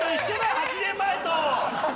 ８年前と！